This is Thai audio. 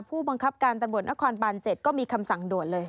ผู้บังคับการตำรวจนครบาน๗ก็มีคำสั่งด่วนเลย